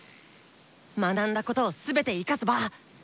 学んだことを全て生かす場！